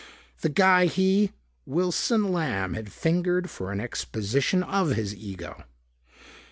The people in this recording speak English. The guy he, Wilson Lamb, had fingered for an exposition of his ego.